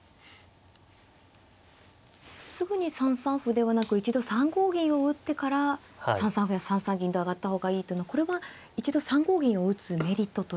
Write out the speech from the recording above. すぐに３三歩ではなく一度３五銀を打ってから３三歩や３三銀と上がった方がいいというのはこれは一度３五銀を打つメリットというのは何でしょうか。